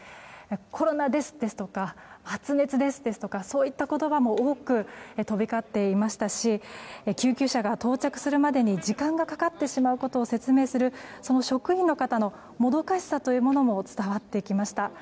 コロナです、ですとか発熱です、ですとかそういった言葉も多く飛び交っていましたし救急車が到着するまでに時間がかかってしまうことを説明する職員の方のもどかしさというものも伝わってきました。